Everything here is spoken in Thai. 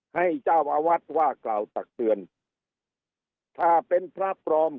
ให้เจ้าอาวาสว่ากล่าวตักเตือนถ้าเป็นพระปลอม